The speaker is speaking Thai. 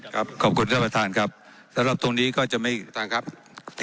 ขอบคุณท่านประธานครับสำหรับตรงนี้ก็จะไม่ท่านครับ